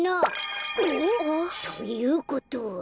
お？ということは。